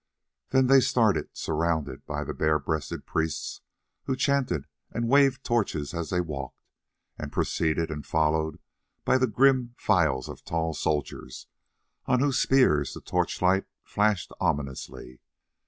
Then they started, surrounded by the bare breasted priests, who chanted and waved torches as they walked, and preceded and followed by the grim files of tall soldiers, on whose spears the torch light flashed ominously.